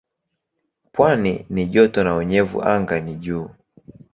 Pwani ni joto na unyevu anga ni juu.